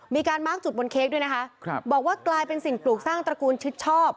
มีการมาร์คจุดบนเค้กด้วยนะคะครับบอกว่ากลายเป็นสิ่งปลูกสร้างตระกูลชิดชอบ